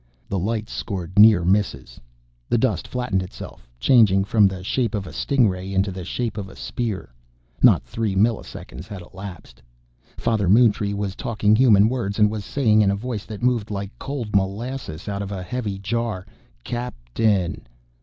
The lights scored near misses. The dust flattened itself, changing from the shape of a sting ray into the shape of a spear. Not three milliseconds had elapsed. Father Moontree was talking human words and was saying in a voice that moved like cold molasses out of a heavy jar, "C A P T A I N."